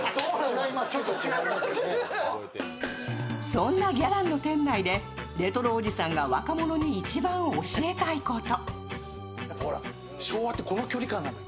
そんなギャランの店内でレトロおじさんが若者に一番教えたいこと。